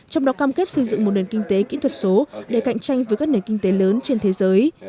trong đó cam kết xây dựng một nền kinh tế kỹ thuật số để cạnh tranh với các nền kinh tế lớn trên thế giới